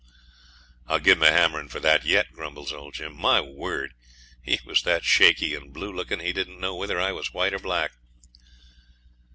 'I'll give him a hammerin' for that yet,' grumbles old Jim. 'My word, he was that shaky and blue lookin' he didn't know whether I was white or black.'